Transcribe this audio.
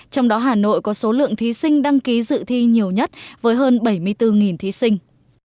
trong đó hà nội có số lượng thí sinh đăng ký dự thi nhiều nhất với hơn bảy mươi bốn thí sinh